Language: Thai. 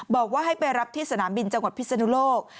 บอกว่าให้ไปรับที่สนามบินจังหวัดพิศนุโลก